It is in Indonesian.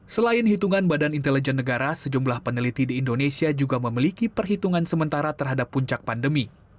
selain hitungan badan intelijen negara sejumlah peneliti di indonesia juga memiliki perhitungan sementara terhadap puncak pandemi